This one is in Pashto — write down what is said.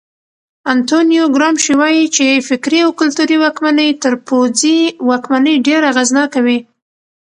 انتونیو ګرامشي وایي چې فکري او کلتوري واکمني تر پوځي واکمنۍ ډېره اغېزناکه وي.